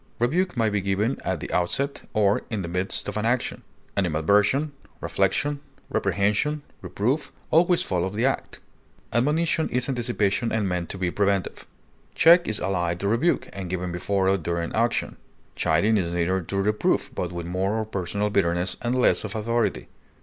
Rebuke may be given at the outset, or in the midst of an action; animadversion, reflection, reprehension, reproof, always follow the act; admonition is anticipatory, and meant to be preventive. Check is allied to rebuke, and given before or during action; chiding is nearer to reproof, but with more of personal bitterness and less of authority.